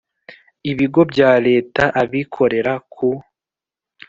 Ibigo bya leta abikorera ku